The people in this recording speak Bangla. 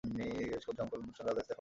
বেশ, খুব জমকালো অনুষ্ঠান, রাজা স্টেফান।